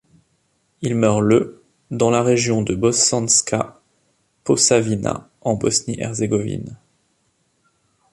Il meurt le dans la région de Bosanska Posavina en Bosnie-Herzégovine.